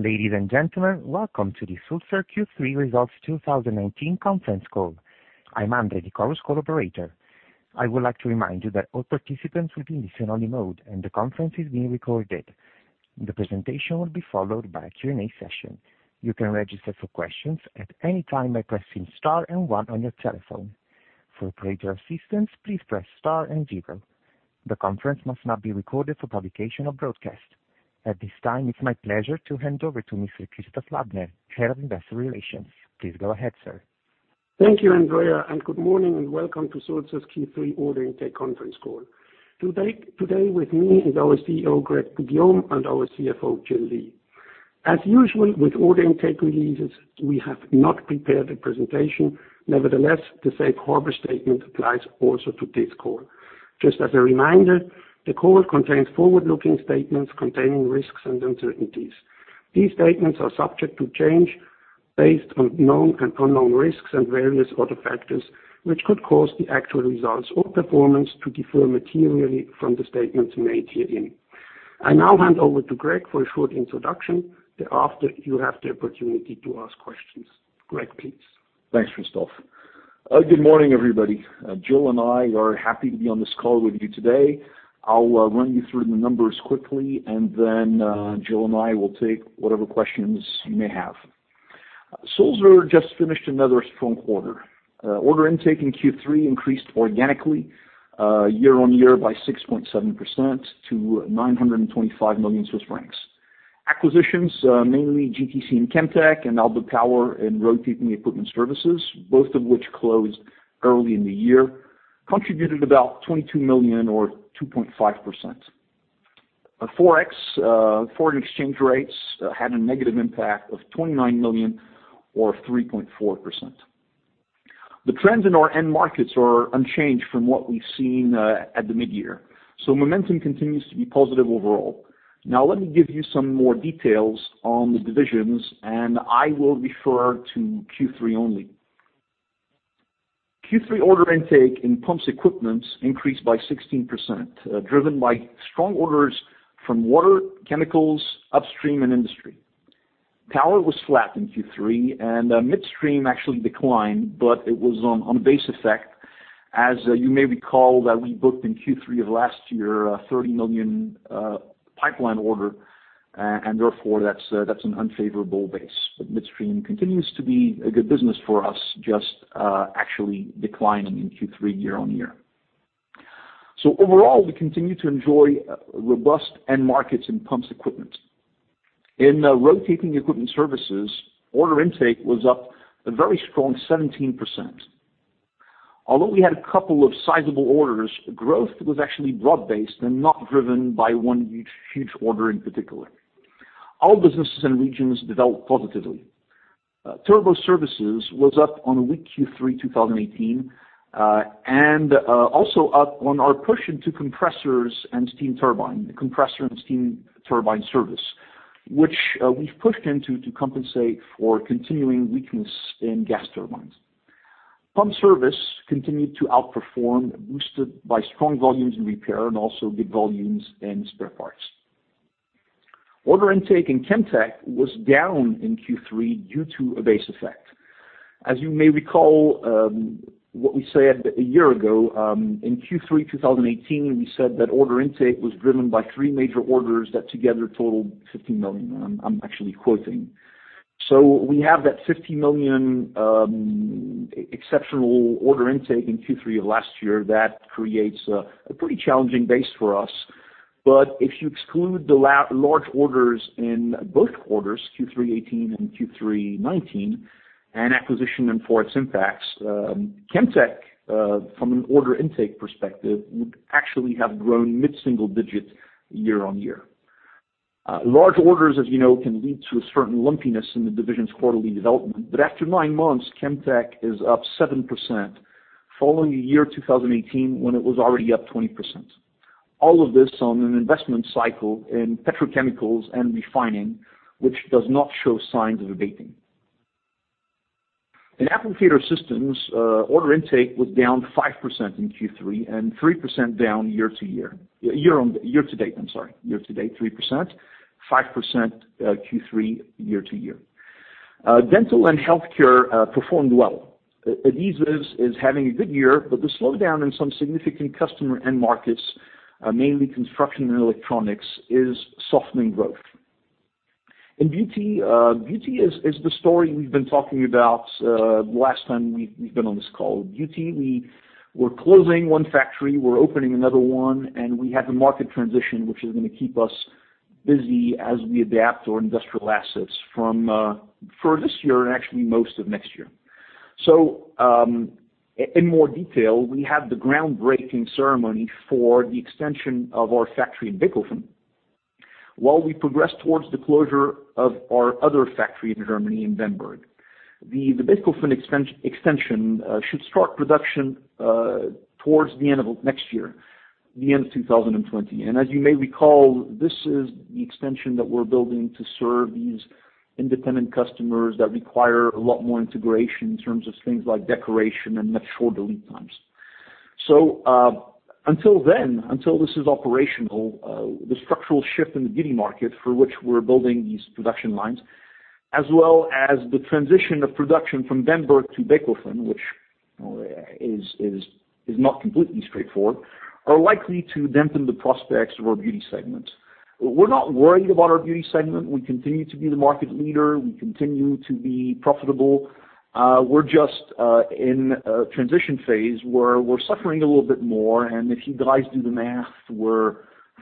Ladies and gentlemen, welcome to the Sulzer Q3 Results 2019 Conference Call. I'm Andrea, the conference call operator. I would like to remind you that all participants will be in listen-only mode, and the conference is being recorded. The presentation will be followed by a Q&A session. You can register for questions at any time by pressing star and one on your telephone. For operator assistance, please press star and zero. The conference must not be recorded for publication or broadcast. At this time, it's my pleasure to hand over to Mr. Christoph Ladner, Head of Investor Relations. Please go ahead, sir. Thank you, Andrea. Good morning, and welcome to Sulzer's Q3 Order Intake Conference Call. Today with me is our CEO, Grégoire Poux-Guillaume, and our CFO, Jill Lee. As usual with order intake releases, we have not prepared a presentation. Nevertheless, the safe harbor statement applies also to this call. Just as a reminder, the call contains forward-looking statements containing risks and uncertainties. These statements are subject to change based on known and unknown risks and various other factors, which could cause the actual results or performance to differ materially from the statements made herein. I now hand over to Greg for a short introduction. Thereafter, you have the opportunity to ask questions. Greg, please. Thanks, Christoph. Good morning, everybody. Jill and I are happy to be on this call with you today. I'll run you through the numbers quickly, and then Jill and I will take whatever questions you may have. Sulzer just finished another strong quarter. Order intake in Q3 increased organically year-on-year by 6.7% to 925 million Swiss francs. Acquisitions, mainly GTC and Chemtech and Alba Power and Rotating Equipment Services, both of which closed early in the year, contributed about 22 million or 2.5%. ForEx foreign exchange rates had a negative impact of 29 million or 3.4%. The trends in our end markets are unchanged from what we've seen at the mid-year. Momentum continues to be positive overall. Let me give you some more details on the divisions, and I will refer to Q3 only. Q3 order intake in Pumps Equipment increased by 16%, driven by strong orders from water, chemicals, upstream, and industry. Power was flat in Q3, midstream actually declined, it was on base effect, as you may recall, that we booked in Q3 of last year a 30 million pipeline order, therefore, that's an unfavorable base. Midstream continues to be a good business for us, just actually declining in Q3 year-on-year. Overall, we continue to enjoy robust end markets in Pumps Equipment. In Rotating Equipment Services, order intake was up a very strong 17%. Although we had a couple of sizable orders, growth was actually broad-based and not driven by one huge order in particular. All businesses and regions developed positively. Turbo services was up on weak Q3 2018, and also up on our push into compressors and steam turbine, the compressor and steam turbine service, which we've pushed into to compensate for continuing weakness in gas turbines. Pump service continued to outperform, boosted by strong volumes in repair and also good volumes in spare parts. Order intake in Chemtech was down in Q3 due to a base effect. As you may recall, what we said a year ago, in Q3 2018, we said that order intake was driven by three major orders that together totaled 15 million. I'm actually quoting. We have that 15 million exceptional order intake in Q3 of last year that creates a pretty challenging base for us. If you exclude the large orders in both quarters, Q3 2018 and Q3 2019, and acquisition and ForEx impacts, Chemtech, from an order intake perspective, would actually have grown mid-single digits year-on-year. Large orders, as you know, can lead to a certain lumpiness in the division's quarterly development. After nine months, Chemtech is up 7%, following a 2018, when it was already up 20%. All of this on an investment cycle in petrochemicals and refining, which does not show signs of abating. In Applicator Systems, order intake was down 5% in Q3 and 3% down year-to-year. Year-to-date, I'm sorry. Year-to-date, 3%, 5% Q3 year-to-year. Dental and healthcare performed well. Adhesives is having a good year, but the slowdown in some significant customer end markets, mainly construction and electronics, is softening growth. In Beauty is the story we've been talking about last time we've been on this call. Beauty, we were closing one factory, we're opening another one, and we have a market transition, which is going to keep us busy as we adapt our industrial assets for this year and actually most of next year. In more detail, we have the groundbreaking ceremony for the extension of our factory in Bechhofen. While we progress towards the closure of our other factory in Germany in Bernburg. The Bechhofen extension should start production towards the end of next year, the end of 2020. As you may recall, this is the extension that we're building to serve these independent customers that require a lot more integration in terms of things like decoration and much shorter lead times. Until then, until this is operational, the structural shift in the GD market for which we're building these production lines, as well as the transition of production from Bernburg to Bechhofen, which is not completely straightforward, are likely to dampen the prospects of our beauty segment. We're not worried about our beauty segment. We continue to be the market leader. We continue to be profitable. We're just in a transition phase where we're suffering a little bit more, and if you guys do the math,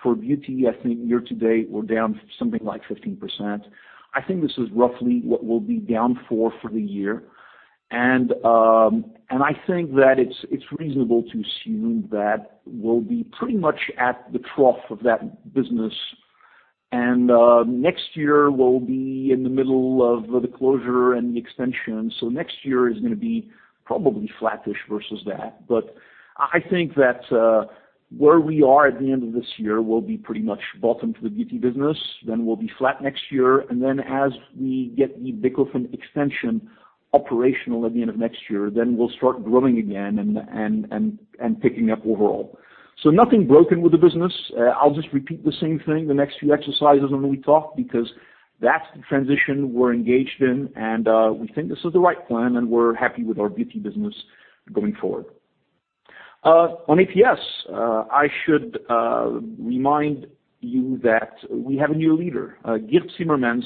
for beauty, I think year to date, we're down something like 15%. I think this is roughly what we'll be down for the year. I think that it's reasonable to assume that we'll be pretty much at the trough of that business. Next year we'll be in the middle of the closure and the extension. Next year is going to be probably flattish versus that. I think that where we are at the end of this year will be pretty much bottom for the beauty business, then we'll be flat next year, and then as we get the Bechhofen extension operational at the end of next year, then we'll start growing again and picking up overall. Nothing broken with the business. I'll just repeat the same thing the next few exercises when we talk, because that's the transition we're engaged in and we think this is the right plan and we're happy with our beauty business going forward. On APS, I should remind you that we have a new leader. Girts Cimermans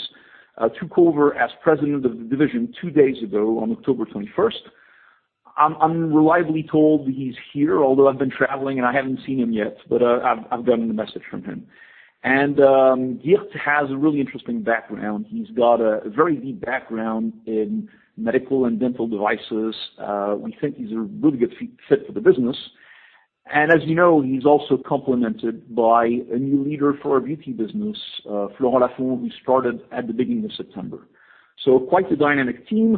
took over as President of the division two days ago on October 21st. I'm reliably told that he's here, although I've been traveling and I haven't seen him yet, but I've gotten the message from him. Girts has a really interesting background. He's got a very deep background in medical and dental devices. We think he's a really good fit for the business. As you know, he's also complemented by a new leader for our beauty business, Florent Lafond, who started at the beginning of September. Quite the dynamic team,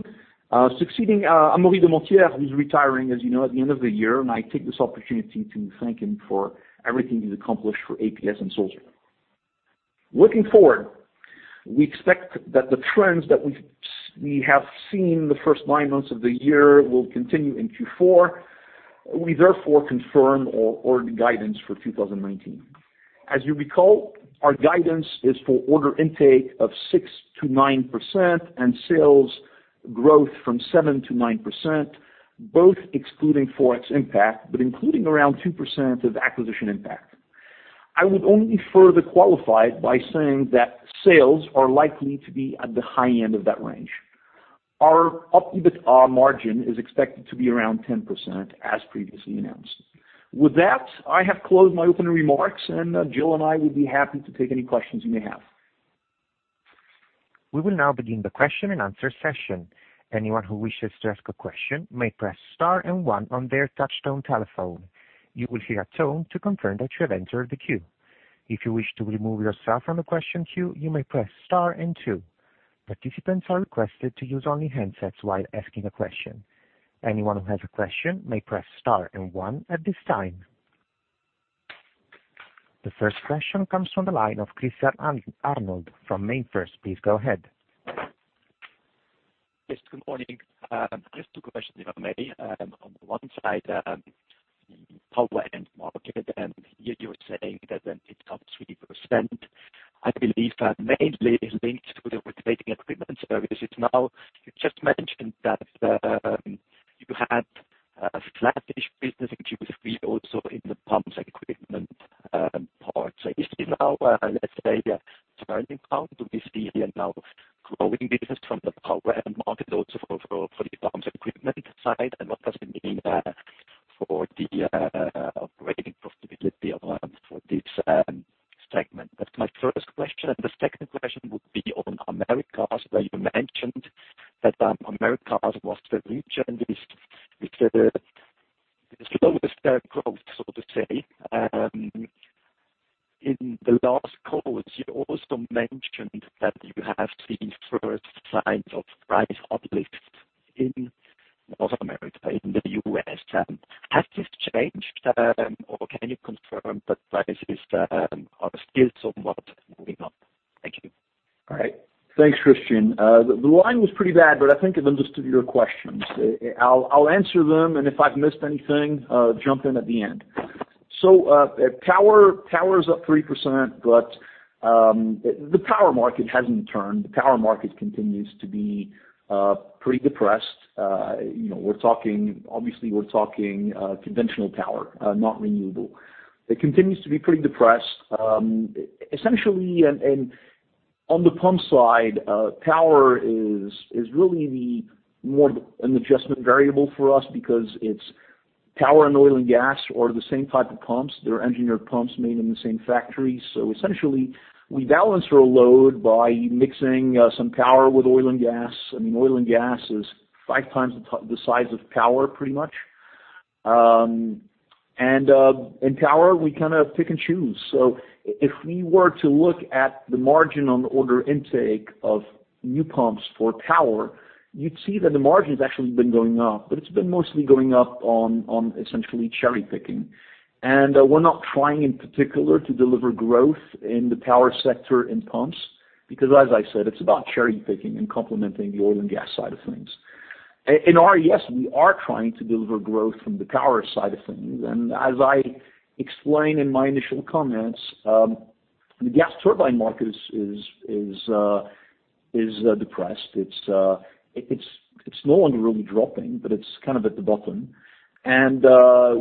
succeeding Amaury de Menthière, who's retiring, as you know, at the end of the year, and I take this opportunity to thank him for everything he's accomplished for APS and Sulzer. Looking forward, we expect that the trends that we have seen the first nine months of the year will continue in Q4. We therefore confirm our guidance for 2019. As you recall, our guidance is for order intake of 6%-9% and sales growth from 7%-9%, both excluding ForEx impact, but including around 2% of acquisition impact. I would only further qualify it by saying that sales are likely to be at the high end of that range. Our EBITDA margin is expected to be around 10% as previously announced. With that, I have closed my opening remarks, and Jill and I would be happy to take any questions you may have. We will now begin the question and answer session. Anyone who wishes to ask a question may press star and one on their touchtone telephone. You will hear a tone to confirm that you have entered the queue. If you wish to remove yourself from the question queue, you may press star and two. Participants are requested to use only handsets while asking a question. Anyone who has a question may press star and one at this time. The first question comes from the line of Christian Arnold from MainFirst. Please go ahead. Yes, good morning. Just two questions, if I may. On the one side, power end market, you're saying that it's up 3%. I believe that mainly is linked with the Rotating Equipment Services. You just mentioned that you had a flattish business in Q3, also in the Pumps Equipment part. Is it now a turning point? Do we see a growing business from the power end market also for the Pumps Equipment side? What does it mean for the operating profitability for this segment? That's my first question. The second question would be on Americas, where you mentioned that Americas was the region with the slowest growth, so to say. In the last call, you also mentioned that you have seen first signs of price uplift in North America, in the U.S. Has this changed? Can you confirm that prices are still somewhat moving up? Thank you. All right. Thanks, Christian. The line was pretty bad, but I think I've understood your questions. I'll answer them, and if I've missed anything, jump in at the end. Power is up 3%, but the power market hasn't turned. The power market continues to be pretty depressed. Obviously we're talking conventional power, not renewable. It continues to be pretty depressed. Essentially, on the pump side, power is really more of an adjustment variable for us because power and oil and gas are the same type of pumps. They're engineered pumps made in the same factory. Essentially, we balance our load by mixing some power with oil and gas. Oil and gas is five times the size of power, pretty much. In power, we kind of pick and choose. If we were to look at the margin on the order intake of new pumps for power, you'd see that the margin's actually been going up, but it's been mostly going up on essentially cherry-picking. We're not trying in particular to deliver growth in the power sector in pumps. Because as I said, it's about cherry-picking and complementing the oil and gas side of things. In RES, we are trying to deliver growth from the power side of things. As I explained in my initial comments, the gas turbine market is depressed. It's no longer really dropping, but it's kind of at the bottom.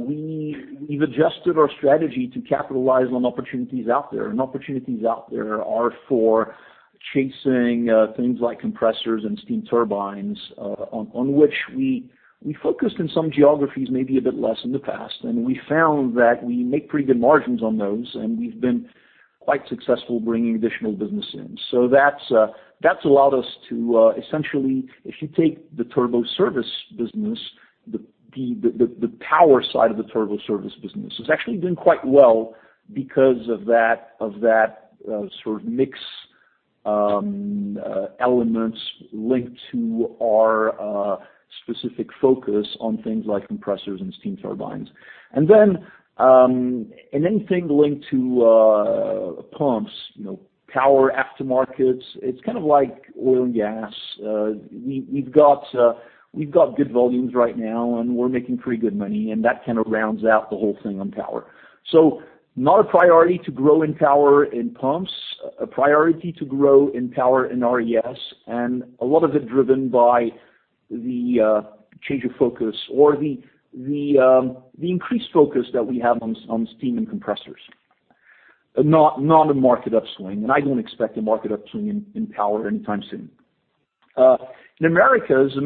We've adjusted our strategy to capitalize on opportunities out there, and opportunities out there are for chasing things like compressors and steam turbines, on which we focused in some geographies, maybe a bit less in the past. We found that we make pretty good margins on those, and we've been quite successful bringing additional business in. That's allowed us to essentially, if you take the turbo service business, the power side of the turbo service business, it's actually doing quite well because of that sort of mix elements linked to our specific focus on things like compressors and steam turbines. Anything linked to pumps, power aftermarkets, it's kind of like oil and gas. We've got good volumes right now, and we're making pretty good money, and that kind of rounds out the whole thing on power. Not a priority to grow in power in pumps. A priority to grow in power in RES, and a lot of it driven by the change of focus or the increased focus that we have on steam and compressors. Not a market upswing. I don't expect a market upswing in power anytime soon. In Americas has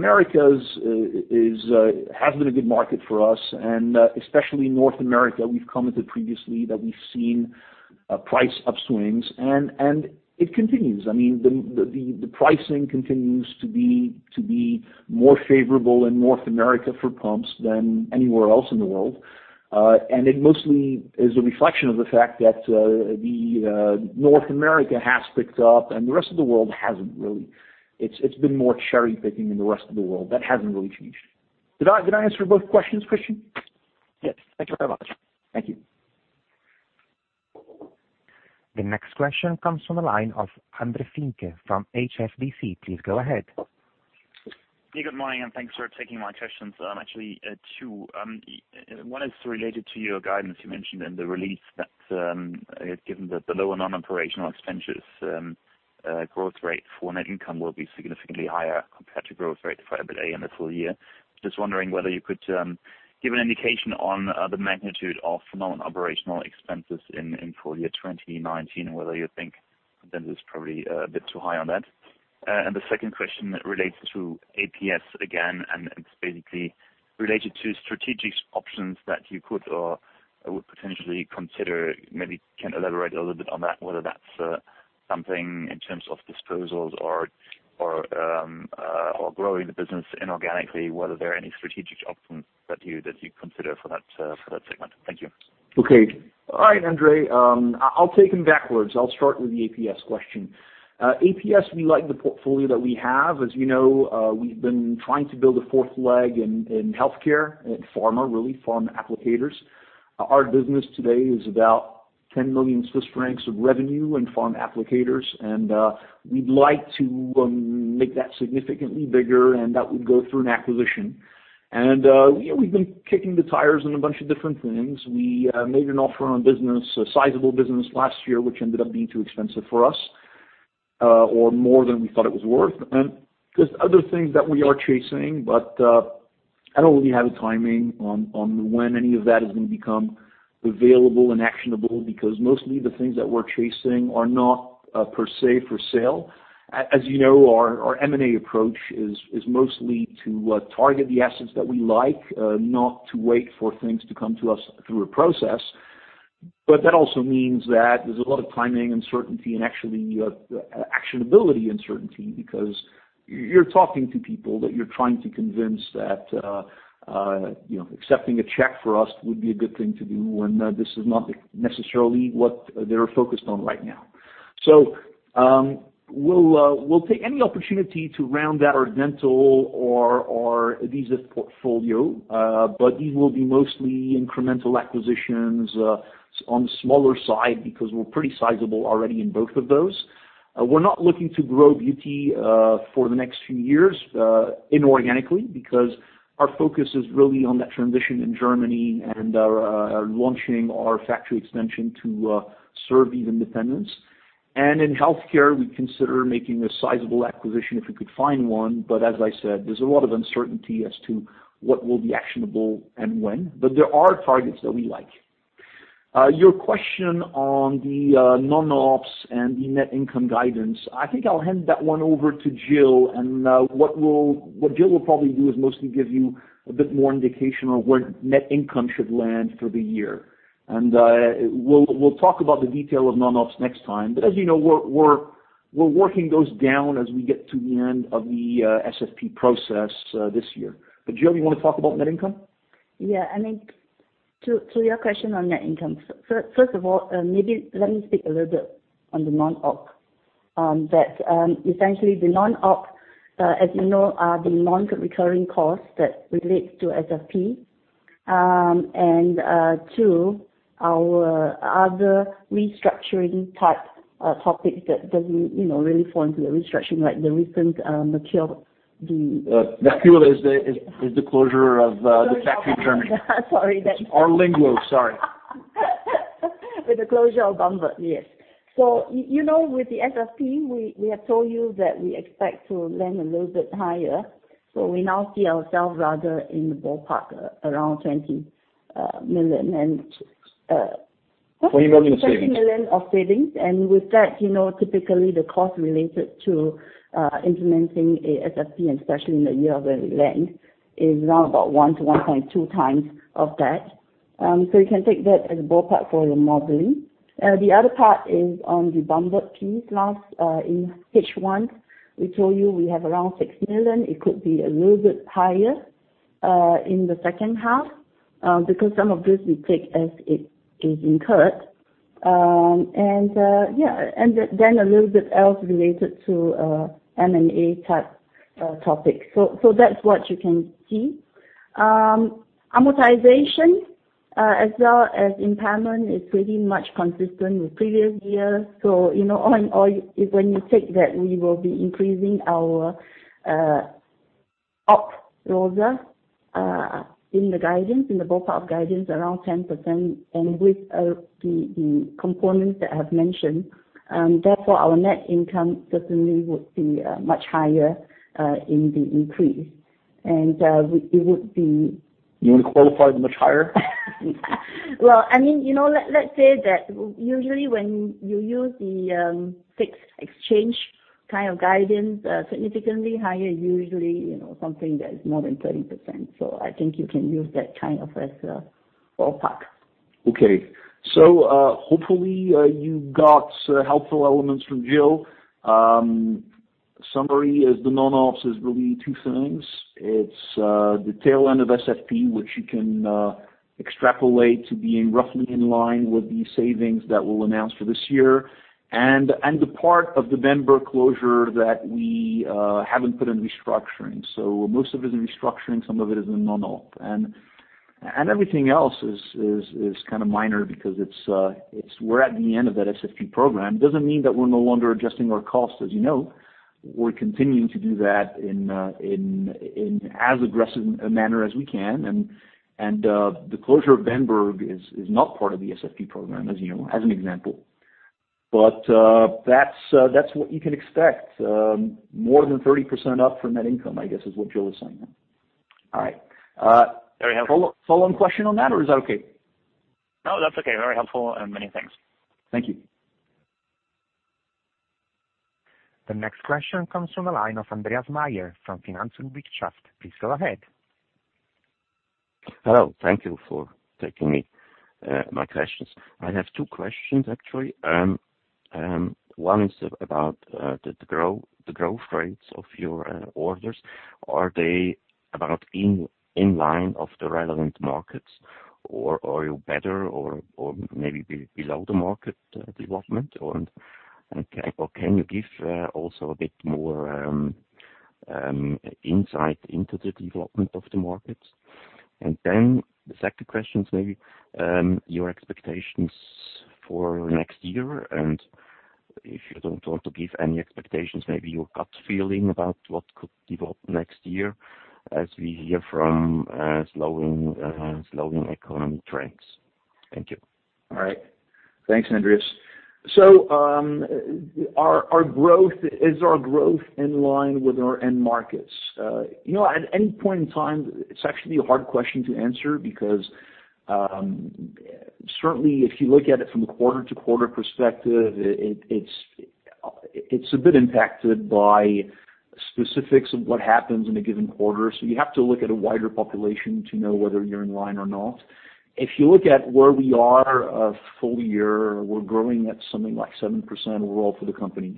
been a good market for us, and especially North America. We've commented previously that we've seen price upswings, and it continues. I mean, the pricing continues to be more favorable in North America for pumps than anywhere else in the world. It mostly is a reflection of the fact that North America has picked up and the rest of the world hasn't really. It's been more cherry-picking in the rest of the world. That hasn't really changed. Did I answer both questions, Christian? Yes. Thank you very much. Thank you. The next question comes from the line of Jörg-André Finke from HSBC. Please go ahead. Good morning. Thanks for taking my questions. Actually, two. One is related to your guidance. You mentioned in the release that given the lower non-operational expenses, growth rate for net income will be significantly higher compared to growth rate for EBITDA in the full year. Just wondering whether you could give an indication on the magnitude of non-operational expenses in full year 2019, and whether you think that is probably a bit too high on that. The second question relates to APS again, and it's basically related to strategic options that you could or would potentially consider. Maybe you can elaborate a little bit on that, whether that's something in terms of disposals or growing the business inorganically, whether there are any strategic options that you'd consider for that segment. Thank you. Okay. All right, Jörg-André. I'll take them backwards. I'll start with the APS question. APS, we like the portfolio that we have. As you know, we've been trying to build a fourth leg in healthcare, in pharma, really, pharm applicators. Our business today is about 10 million Swiss francs of revenue in pharm applicators, and we'd like to make that significantly bigger, and that would go through an acquisition. We've been kicking the tires on a bunch of different things. We made an offer on business, a sizable business last year, which ended up being too expensive for us or more than we thought it was worth. There's other things that we are chasing, but I don't really have a timing on when any of that is going to become available and actionable, because mostly the things that we're chasing are not, per se, for sale. As you know, our M&A approach is mostly to target the assets that we like, not to wait for things to come to us through a process. That also means that there's a lot of timing uncertainty and actually actionability uncertainty, because you're talking to people that you're trying to convince that accepting a check for us would be a good thing to do when this is not necessarily what they're focused on right now. We'll take any opportunity to round out our dental or adhesive portfolio, but these will be mostly incremental acquisitions on the smaller side because we're pretty sizable already in both of those. We're not looking to grow Beauty for the next few years inorganically because our focus is really on that transition in Germany and launching our factory expansion to serve these independents. In healthcare, we consider making a sizable acquisition if we could find one. As I said, there's a lot of uncertainty as to what will be actionable and when. There are targets that we like. Your question on the non-ops and the net income guidance, I think I'll hand that one over to Jill. What Jill will probably do is mostly give you a bit more indication of where net income should land for the year. We'll talk about the detail of non-ops next time. As you know, we're working those down as we get to the end of the SFP process this year. Jill, you want to talk about net income? Yeah. I think to your question on net income, first of all, maybe let me speak a little bit on the non-op. Essentially the non-op, as you know, are the non-recurring costs that relate to SFP. Two, our other restructuring type topics that doesn't really fall into the restructuring, like the recent material. Material is the closure of the factory in Germany. Sorry. Lingl, sorry. With the closure of Bamberg, yes. With the SFP, we have told you that we expect to land a little bit higher. We now see ourselves rather in the ballpark around CHF 20 million. 20 million in savings. 20 million of savings. With that, typically the cost related to implementing a SFP, and especially in the year where we land, is around about 1 to 1.2 times of that. You can take that as a ballpark for your modeling. The other part is on the Bamberg piece. Last, in H1, we told you we have around 6 million. It could be a little bit higher in the second half, because some of this we take as it is incurred. Yeah. Then a little bit else related to M&A type topics. That's what you can see. Amortization, as well as impairment, is pretty much consistent with previous years. All in all, when you take that, we will be increasing our opROSA in the guidance, in the ballpark guidance, around 10%, and with the components that I have mentioned. Our net income certainly would be much higher in the increase. You would qualify much higher? Well, let's say that usually when you use the fixed exchange kind of guidance, significantly higher, usually, something that is more than 30%. I think you can use that kind as a ballpark. Hopefully you got helpful elements from Jill. Summary is the non-op is really two things. It's the tail end of SFP, which you can extrapolate to being roughly in line with the savings that we'll announce for this year, and the part of the Bamberg closure that we haven't put in restructuring. Most of it is in restructuring, some of it is in non-op. Everything else is kind of minor because we're at the end of that SFP program. Doesn't mean that we're no longer adjusting our costs, as you know. We're continuing to do that in as aggressive a manner as we can. The closure of Bamberg is not part of the SFP program, as you know, as an example. That's what you can expect. More than 30% up for net income, I guess is what Jill is saying then. Very helpful. Follow-on question on that, or is that okay? No, that's okay. Very helpful, and many thanks. Thank you. The next question comes from the line of Andreas Meyer from Finanz und Wirtschaft. Please go ahead. Hello. Thank you for taking my questions. I have two questions, actually. One is about the growth rates of your orders. Are they about in line of the relevant markets, or are you better or maybe below the market development? Can you give also a bit more insight into the development of the markets? The second question is maybe your expectations for next year, and if you don't want to give any expectations, maybe your gut feeling about what could develop next year as we hear from slowing economic trends. Thank you. All right. Thanks, Andreas. Is our growth in line with our end markets? At any point in time, it's actually a hard question to answer because, certainly, if you look at it from a quarter-to-quarter perspective, it's a bit impacted by specifics of what happens in a given quarter. You have to look at a wider population to know whether you're in line or not. If you look at where we are full year, we're growing at something like 7% overall for the company.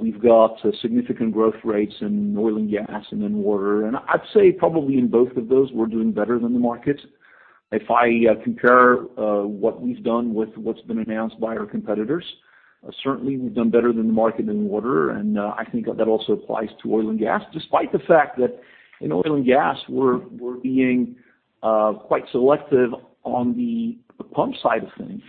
We've got significant growth rates in oil and gas and in water, and I'd say probably in both of those, we're doing better than the market. If I compare what we've done with what's been announced by our competitors, certainly we've done better than the market in water, and I think that also applies to oil and gas, despite the fact that in oil and gas, we're being quite selective on the pump side of things.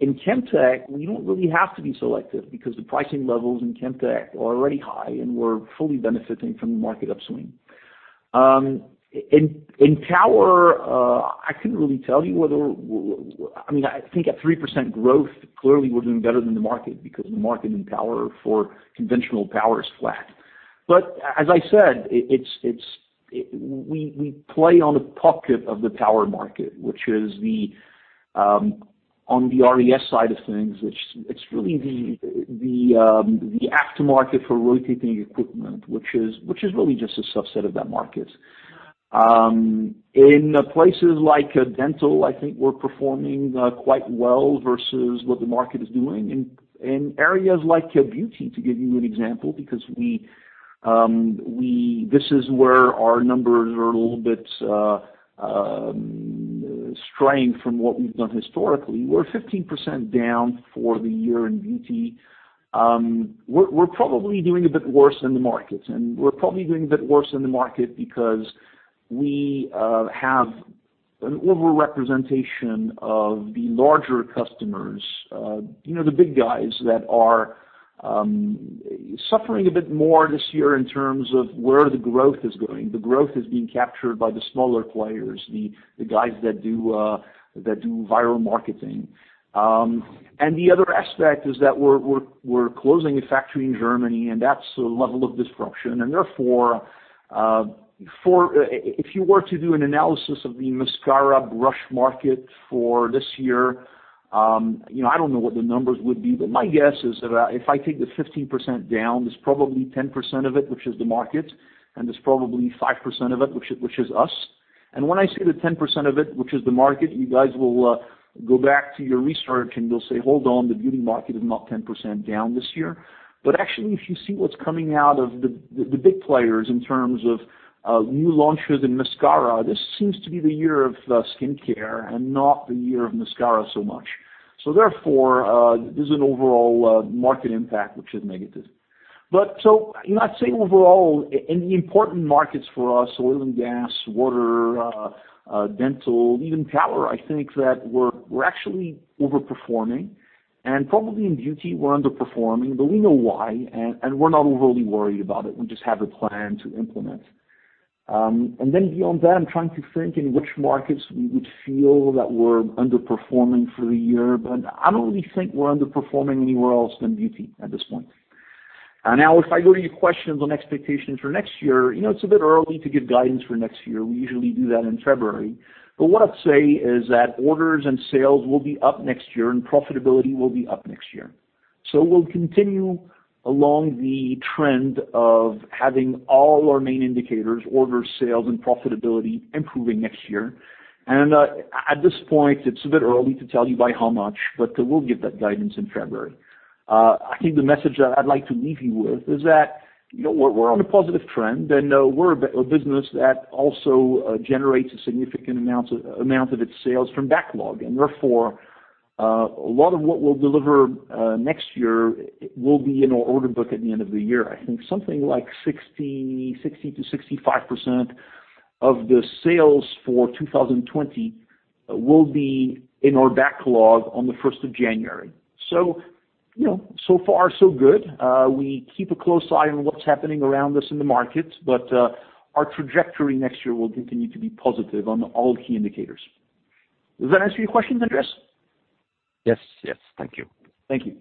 In Chemtech, we don't really have to be selective because the pricing levels in Chemtech are already high, and we're fully benefiting from the market upswing. In power, I couldn't really tell you. I think at 3% growth, clearly we're doing better than the market, because the market in power for conventional power is flat. As I said, we play on the pocket of the power market, which is on the RES side of things, it's really the aftermarket for rotating equipment, which is really just a subset of that market. In places like dental, I think we're performing quite well versus what the market is doing. In areas like beauty, to give you an example, because this is where our numbers are a little bit straying from what we've done historically. We're 15% down for the year in beauty. We're probably doing a bit worse than the market, and we're probably doing a bit worse than the market because we have an over-representation of the larger customers. The big guys that are suffering a bit more this year in terms of where the growth is going. The growth is being captured by the smaller players, the guys that do viral marketing. The other aspect is that we're closing a factory in Germany, and that's a level of disruption. Therefore, if you were to do an analysis of the mascara brush market for this year, I don't know what the numbers would be. My guess is that if I take the 15% down, there's probably 10% of it, which is the market, and there's probably 5% of it, which is us. When I say that 10% of it, which is the market, you guys will go back to your research and you'll say, "Hold on, the beauty market is not 10% down this year." Actually, if you see what's coming out of the big players in terms of new launches in mascara, this seems to be the year of skincare and not the year of mascara so much. Therefore, there's an overall market impact, which is negative. I'm not saying overall, in the important markets for us, oil and gas, water, dental, even power, I think that we're actually over-performing. Probably in beauty, we're underperforming, but we know why, and we're not overly worried about it. We just have a plan to implement. Beyond that, I'm trying to think in which markets we would feel that we're underperforming for the year. I don't really think we're underperforming anywhere else than beauty at this point. Now if I go to your questions on expectations for next year, it's a bit early to give guidance for next year. We usually do that in February. What I'd say is that orders and sales will be up next year, and profitability will be up next year. We'll continue along the trend of having all our main indicators, orders, sales, and profitability improving next year. At this point, it's a bit early to tell you by how much, but we'll give that guidance in February. I think the message that I'd like to leave you with is that we're on a positive trend, and we're a business that also generates a significant amount of its sales from backlog. Therefore, a lot of what we'll deliver next year will be in our order book at the end of the year. I think something like 60%-65% of the sales for 2020 will be in our backlog on the 1st of January. So far so good. We keep a close eye on what's happening around us in the market, but our trajectory next year will continue to be positive on all key indicators. Does that answer your questions, Andreas? Yes. Thank you. Thank you.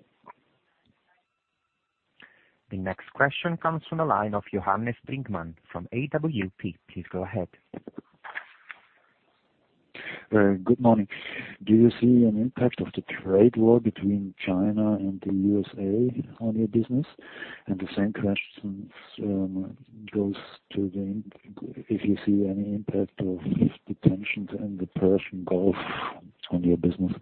The next question comes from the line of Johannes Brinkmann from AWP. Please go ahead. Good morning. Do you see an impact of the trade war between China and the U.S.A. on your business? The same question goes to If you see any impact of the tensions in the Persian Gulf on your business?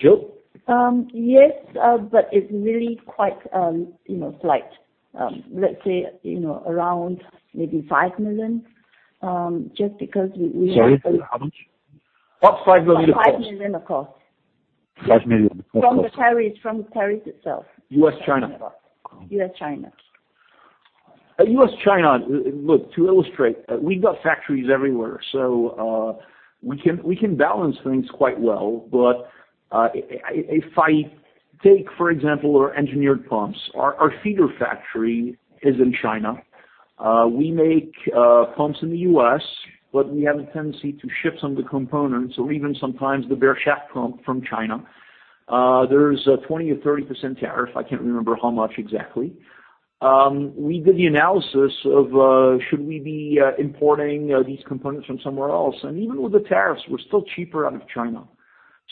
Jill? Yes, but it's really quite slight. Let's say, around maybe $5 million. Sorry, how much? About $5 million of cost. About $5 million of cost. 5 million of cost. From the tariffs itself. U.S., China. U.S., China. U.S., China. Look, to illustrate, we've got factories everywhere, so we can balance things quite well. If I take, for example, our engineered pumps, our feeder factory is in China. We make pumps in the U.S., but we have a tendency to ship some of the components or even sometimes the bare shaft pump from China. There's a 20% or 30% tariff. I can't remember how much exactly. We did the analysis of should we be importing these components from somewhere else, and even with the tariffs, we're still cheaper out of China.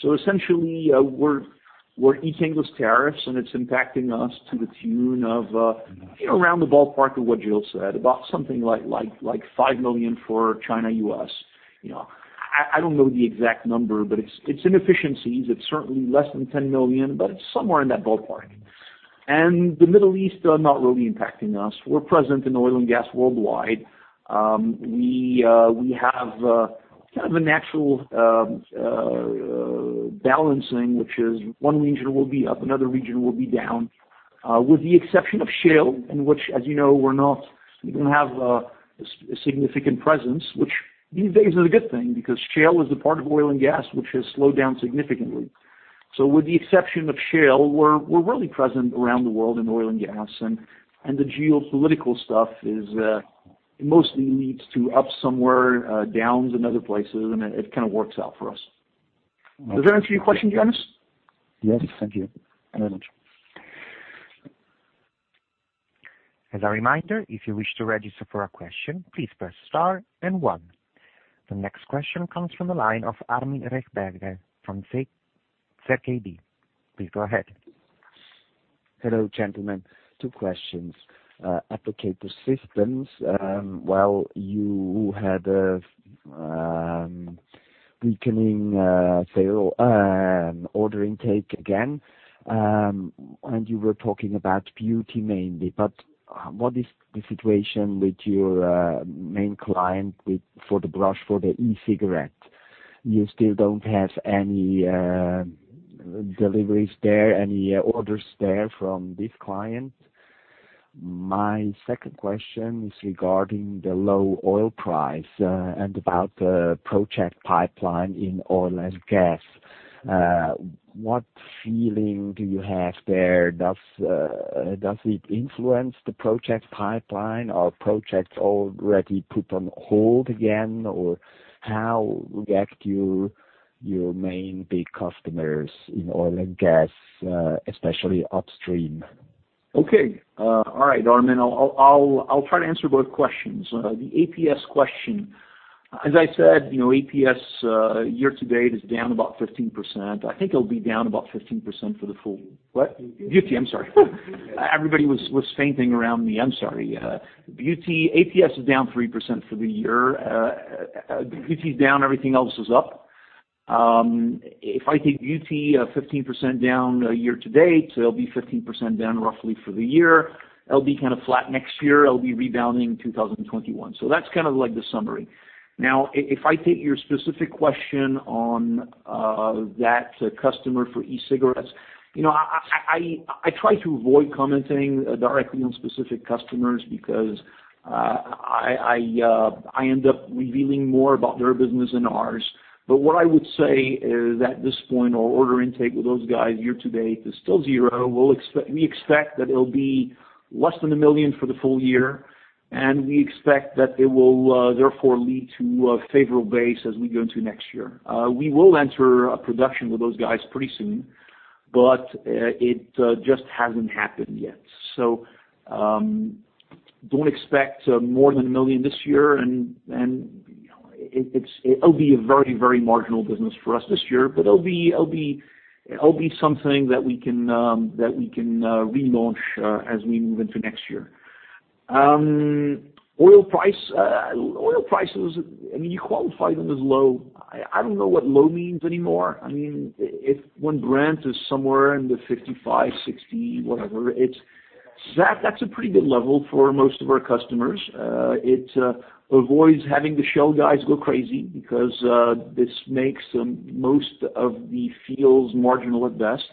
Essentially, we're eating those tariffs, and it's impacting us to the tune of around the ballpark of what Jill said, about $5 million for China, U.S. I don't know the exact number, but it's inefficiencies. It's certainly less than $10 million, but it's somewhere in that ballpark. The Middle East are not really impacting us. We're present in oil and gas worldwide. We have kind of a natural balancing, which is one region will be up, another region will be down. With the exception of shale, in which, as you know, we don't have a significant presence, which these days is a good thing, because shale is the part of oil and gas which has slowed down significantly. With the exception of shale, we're really present around the world in oil and gas, and the geopolitical stuff mostly needs to up somewhere, downs in other places, and it kind of works out for us. Does that answer your question, Johannes? Yes. Thank you very much. As a reminder, if you wish to register for a question, please press star then one. The next question comes from the line of Armin Rechberger from ZKB. Please go ahead. Hello, gentlemen. Two questions. Applicator Systems, while you had a weakening sale order intake again. You were talking about Beauty mainly, but what is the situation with your main client for the brush for the e-cigarette? You still don't have any deliveries there, any orders there from this client? My second question is regarding the low oil price, and about the project pipeline in oil and gas. What feeling do you have there? Does it influence the project pipeline, or projects already put on hold again? How would act your main big customers in oil and gas, especially upstream? Okay. All right, Armin. I'll try to answer both questions. The APS question, as I said, APS year to date is down about 15%. I think it'll be down about 15% for the full What? Beauty. Beauty. I'm sorry. Everybody was fainting around me. I'm sorry. Beauty, APS is down 3% for the year. Beauty is down, everything else is up. If I take Beauty, 15% down year to date, it'll be 15% down roughly for the year. It'll be kind of flat next year. It'll be rebounding 2021. That's kind of like the summary. If I take your specific question on that customer for e-cigarettes. I try to avoid commenting directly on specific customers because I end up revealing more about their business than ours. What I would say is at this point, our order intake with those guys year to date is still zero. We expect that it'll be less than 1 million for the full year, and we expect that it will, therefore, lead to a favorable base as we go into next year. We will enter a production with those guys pretty soon, but it just hasn't happened yet. Don't expect more than 1 million this year and it'll be a very marginal business for us this year, but it'll be something that we can relaunch as we move into next year. Oil price. Oil prices, you qualify them as low. I don't know what low means anymore. If Brent is somewhere in the 55-60, whatever, that's a pretty good level for most of our customers. It avoids having the shell guys go crazy because this makes most of the fields marginal at best.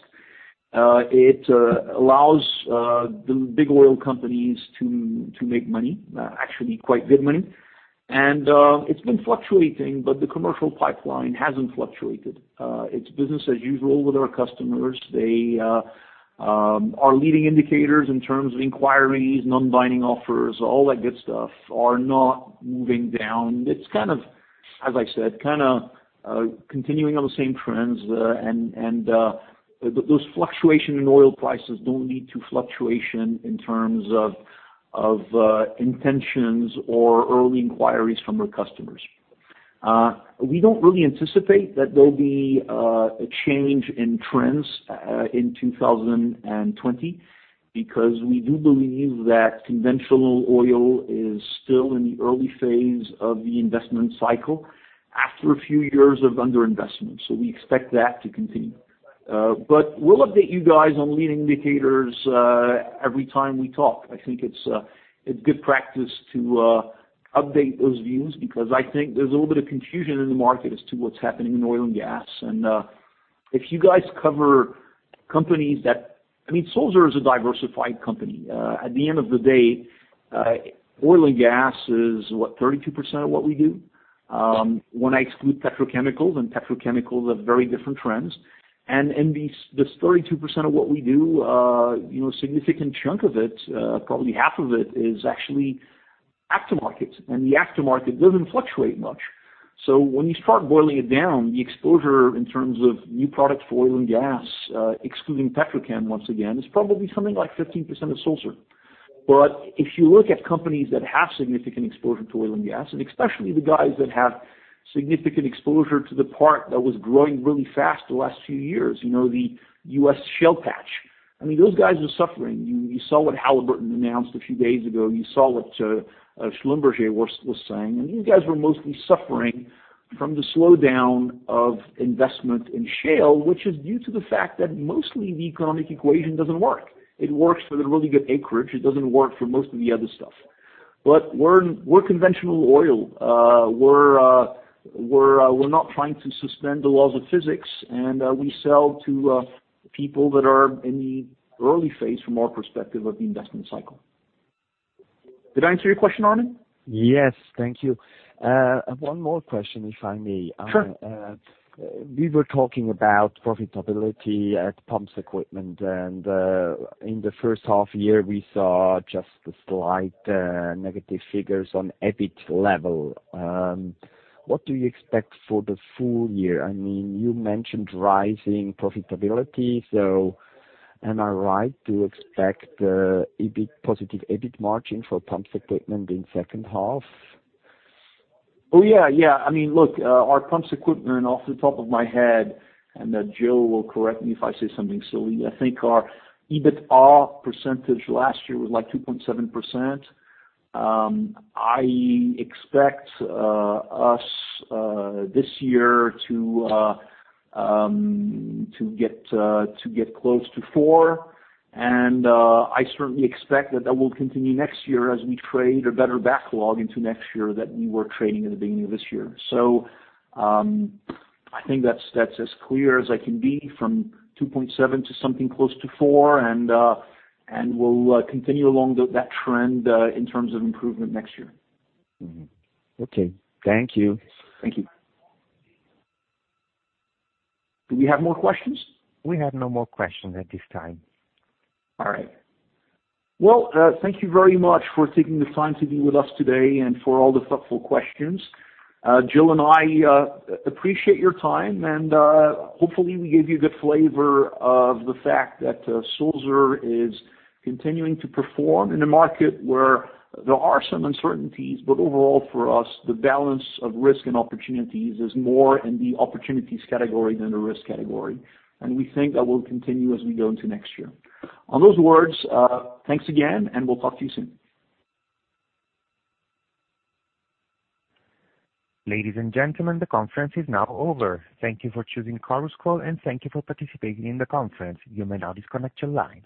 It allows the big oil companies to make money, actually quite good money. It's been fluctuating, but the commercial pipeline hasn't fluctuated. It's business as usual with our customers. Our leading indicators in terms of inquiries, non-binding offers, all that good stuff, are not moving down. It's kind of, as I said, continuing on the same trends. Those fluctuation in oil prices don't lead to fluctuation in terms of intentions or early inquiries from our customers. We don't really anticipate that there'll be a change in trends in 2020, because we do believe that conventional oil is still in the early phase of the investment cycle after a few years of under-investment. We expect that to continue. We'll update you guys on leading indicators every time we talk. I think it's good practice to update those views because I think there's a little bit of confusion in the market as to what's happening in oil and gas. If you guys cover companies. Sulzer is a diversified company. At the end of the day, oil and gas is what, 32% of what we do? When I exclude petrochemicals, and petrochemicals have very different trends. In this 32% of what we do, significant chunk of it, probably half of it, is actually aftermarket. The aftermarket doesn't fluctuate much. When you start boiling it down, the exposure in terms of new products for oil and gas, excluding petrochem once again, is probably something like 15% of Sulzer. If you look at companies that have significant exposure to oil and gas, and especially the guys that have significant exposure to the part that was growing really fast the last few years, the U.S. shale patch, those guys are suffering. You saw what Halliburton announced a few days ago. You saw what Schlumberger was saying, and these guys were mostly suffering from the slowdown of investment in shale, which is due to the fact that mostly the economic equation doesn't work. It works for the really good acreage. It doesn't work for most of the other stuff. We're conventional oil. We're not trying to suspend the laws of physics, and we sell to people that are in the early phase, from our perspective, of the investment cycle. Did I answer your question, Armin? Yes. Thank you. One more question, if I may. Sure. You were talking about profitability at Pumps Equipment, and in the first half-year, we saw just a slight negative figures on EBIT level. What do you expect for the full year? You mentioned rising profitability, so am I right to expect positive EBIT margin for Pumps Equipment in second half-year? Yeah. Our Pumps Equipment off the top of my head, and Joe will correct me if I say something silly. I think our EBITA percentage last year was like 2.7%. I expect us this year to get close to 4%, and I certainly expect that that will continue next year as we trade a better backlog into next year than we were trading at the beginning of this year. I think that's as clear as I can be from 2.7% to something close to 4%, and we'll continue along that trend in terms of improvement next year. Mm-hmm. Okay. Thank you. Thank you. Do we have more questions? We have no more questions at this time. All right. Well, thank you very much for taking the time to be with us today and for all the thoughtful questions. Jill and I appreciate your time, and hopefully we gave you the flavor of the fact that Sulzer is continuing to perform in a market where there are some uncertainties, but overall for us, the balance of risk and opportunities is more in the opportunities category than the risk category. We think that will continue as we go into next year. On those words, thanks again, and we'll talk to you soon. Ladies and gentlemen, the conference is now over. Thank you for choosing Chorus Call, and thank you for participating in the conference. You may now disconnect your line.